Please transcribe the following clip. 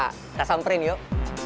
kita samperin yuk